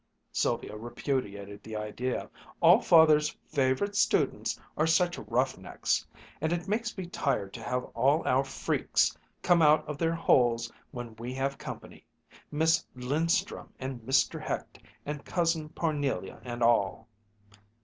Sylvia repudiated the idea. "All Father's 'favorite students' are such rough necks. And it makes me tired to have all our freaks come out of their holes when we have company Miss Lindström and Mr. Hecht and Cousin Parnelia and all."